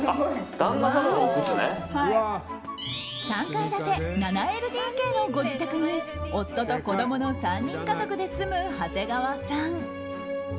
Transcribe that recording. ３階建て７ＬＤＫのご自宅に夫と子供の３人家族で住む長谷川さん。